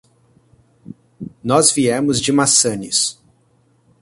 Nós viemos de Massanes.